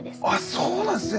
そうなんですね。